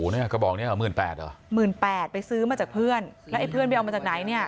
เนี่ยกระบองนี้๑๘๐๐๐๑๘๐๐๐คุณไปซื้อมาจากเพื่อนไอ้เพื่อนมาจากไหนเนี่ย